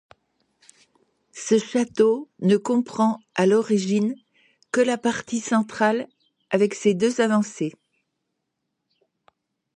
Ce château ne comprend à l’origine que la partie centrale avec ses deux avancées.